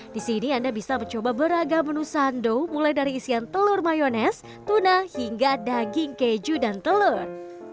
di sini anda bisa mencoba beragam menu sandow mulai dari isian telur mayones tuna hingga daging keju dan telur